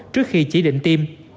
trước khi chỉ định tiêm